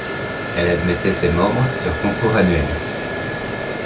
Elle admettait ses membres sur concours annuel.